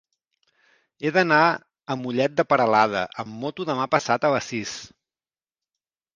He d'anar a Mollet de Peralada amb moto demà passat a les sis.